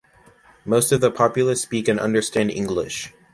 Most of the populace speak and understand English.